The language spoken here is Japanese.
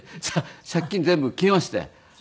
借金全部消えまして。